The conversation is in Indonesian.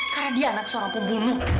karena dia anak seorang pembunuh